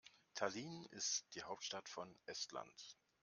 Tallinn ist die Hauptstadt von Estland.